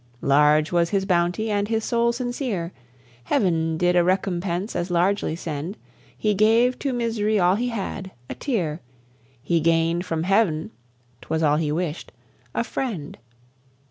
Large was his bounty, and his soul sincere, Heaven did a recompense as largely send: He gave to Mis'ry all he had, a tear: He gain'd from Heav'n ('twas all he wish'd) a friend.